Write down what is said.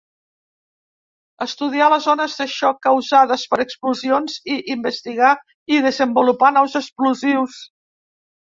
Estudià les ones de xoc causades per explosions, i investigà i desenvolupà nous explosius.